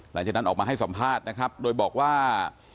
หลังจากนั้นออกมาให้สัมภาษณ์นะครับโดยบอกว่า